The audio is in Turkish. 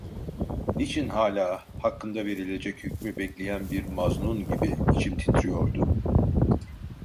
Niçin hâlâ, hakkında verilecek hükmü bekleyen bir maznun gibi, içim titriyordu?